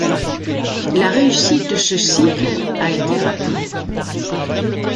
La réussite de ce cycle a été rapide.